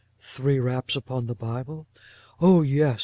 '—Three raps upon the Bible: 'Oh yes.